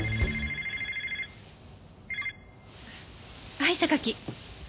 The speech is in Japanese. はい榊。